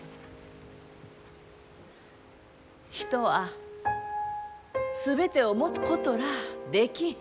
人は全てを持つことらあできん。